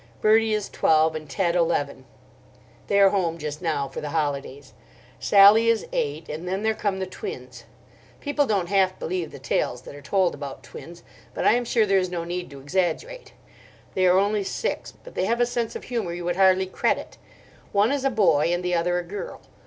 Bertie is twelve and Ted eleven; they are home just now for the holidays. Sally is eight, and then there come the twins. People don't half believe the tales that are told about twins, but I am sure there is no need to exaggerate. They are only six, but they have a sense of humour you would hardly credit. One is a boy, and the other a girl.